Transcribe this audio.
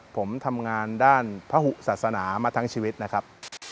ผมทำงานด้านพระหุศาสนามาทั้งชีวิตนะครับ